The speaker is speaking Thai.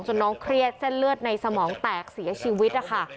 น้องเครียดเส้นเลือดในสมองแตกเสียชีวิตนะคะ